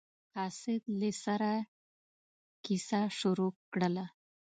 قاصد له سره کیسه شروع کړله.